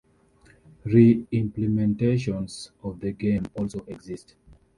Re-implementations of the game also exist.